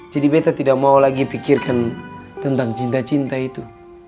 jadi betta tidak mau lagi pikirkan tentang cinta cinta itu